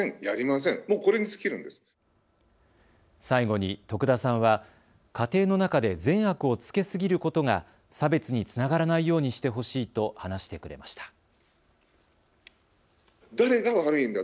最後に徳田さんは家庭の中で善悪をつけすぎることが差別につながらないようにしてほしいと話してくれました。